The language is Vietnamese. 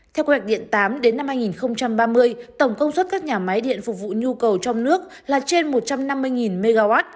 theo quy hoạch điện tám đến năm hai nghìn ba mươi tổng công suất các nhà máy điện phục vụ nhu cầu trong nước là trên một trăm năm mươi mw